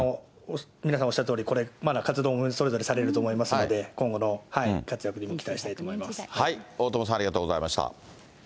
皆さんおっしゃるとおり、これ、まだ活動もそれぞれされると思いますので、今後の活躍にも期待し大友さん、ありがとうございました。